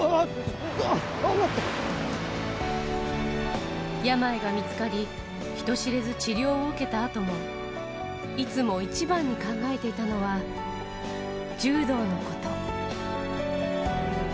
あっ、病が見つかり、人知れず治療を受けたあとも、いつも一番に考えていたのは、柔道のこと。